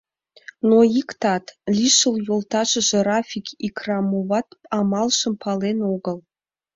Но иктат, лишыл йолташыже Рафик Икрамоват, амалжым пален огыл.